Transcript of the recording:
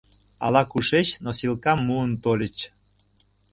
Ала-кушеч носилкам муын тольыч.